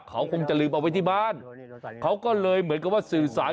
เขาคงจะลืมเอาไว้ที่บ้านเขาก็เลยเหมือนกับว่าสื่อสาร